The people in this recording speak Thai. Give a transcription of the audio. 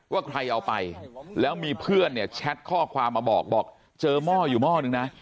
ว่าใครเอาไปแล้วมีเพื่อนเนี่ยแชทข้อความมาบอกบอกเจอหม้ออยู่หม้อนึงนะ